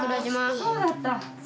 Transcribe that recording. そうだった。